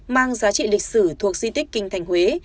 mang giá trị lịch sử thuộc di tích kinh thành huế